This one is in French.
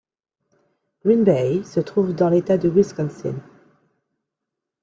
Green Bay se trouve dans l'État du Wisconsin.